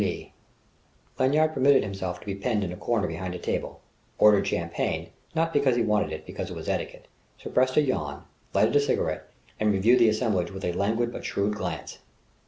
Lee_"... Lanyard permitted himself to be penned in a corner behind a table, ordered champagne not because he wanted it but because it was etiquette, suppressed a yawn, lighted a cigarette, and reviewed the assemblage with a languid but shrewd glance.